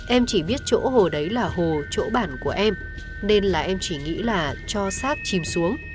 em chỉ biết chỗ hồ đấy là hồ chỗ bản của em nên là em chỉ nghĩ là cho sát chìm xuống